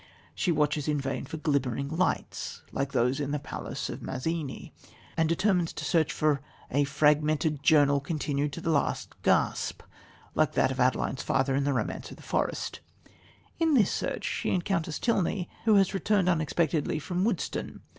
She watches in vain for "glimmering lights," like those in the palace of Mazzini, and determines to search for "a fragmented journal continued to the last gasp," like that of Adeline's father in The Romance of the Forest. In this search she encounters Tilney, who has returned unexpectedly from Woodston.